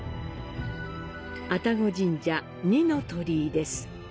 愛宕神社二ノ鳥居です。